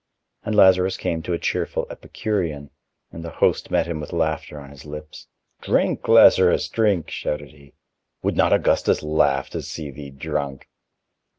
And Lazarus came to a cheerful Epicurean, and the host met him with laughter on his lips: "Drink, Lazarus, drink!" shouted he. "Would not Augustus laugh to see thee drunk!"